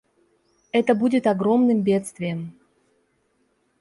Это будет огромным бедствием.